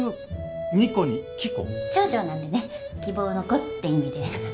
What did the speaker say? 長女なんでね希望の子って意味で。